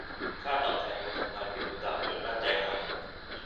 ค่าตอบแทนคนทำงานฝีมือต่ำจนน่าใจหาย